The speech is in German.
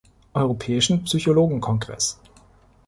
Europäischen Psychologen-Kongress".